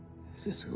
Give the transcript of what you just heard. そう。